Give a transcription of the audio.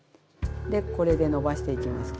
でこれでのばしていきます。